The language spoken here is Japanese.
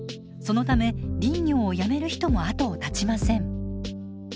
そのため林業を辞める人も後を絶ちません。